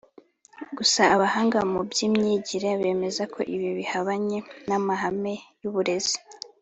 Gusa abahanga mu by’imyigire bemeza ko ibi bihabanye n’amahame y’uburezi